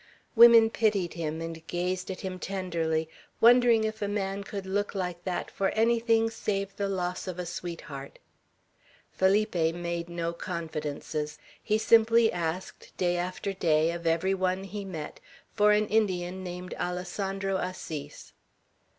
Women pitied him, and gazed at him tenderly, wondering if a man could look like that for anything save the loss of a sweetheart. Felipe made no confidences. He simply asked, day after day, of every one he met, for an Indian named Alessandro Assis.